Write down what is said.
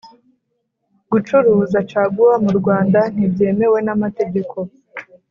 gucuruza caguwa murwanda ntibyemewe namategeko